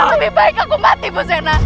lebih baik aku mati fusena